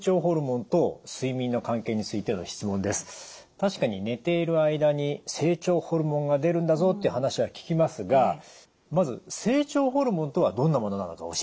確かに寝ている間に成長ホルモンが出るんだぞという話は聞きますがまず成長ホルモンとはどんなものなのか教えていただけますか？